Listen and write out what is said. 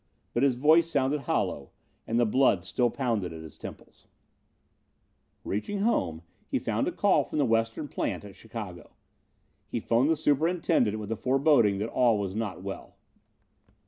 But his voice sounded hollow, and the blood still pounded at his temples. Reaching home, he found a call from the western plant, at Chicago. He phoned the superintendent with a foreboding that all was not well.